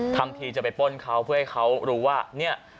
ทั้งทีจะไปป้นเขาเพื่อให้เขารู้ว่า